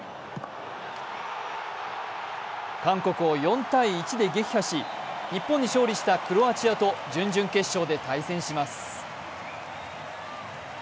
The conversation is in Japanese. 韓国を４−１で撃破し日本に勝利したクロアチアと準々決勝で対戦します。